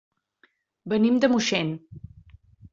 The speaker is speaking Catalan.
Venim de Moixent.